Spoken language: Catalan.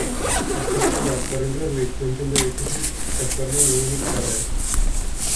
Està format per un reduït conjunt d'edificis que formen un únic carrer.